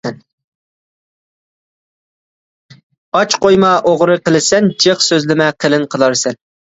ئاچ قويما ئوغرى قىلىسەن، جىق سۆزلىمە قېلىن قىلارسەن.